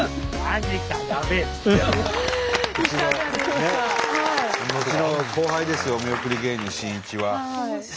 うちの後輩ですよお見送り芸人しんいちは。